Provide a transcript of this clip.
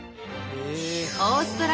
オーストラリア